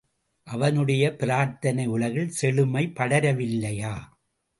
அவனுடைய பிரார்த்தனையுலகில் செழுமை படரவில்லையா?